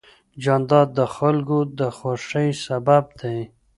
جانداد د خلکو د خوښۍ سبب دی.